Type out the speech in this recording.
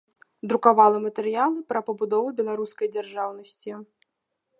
Друкавала матэрыялы пра пабудову беларускай дзяржаўнасці.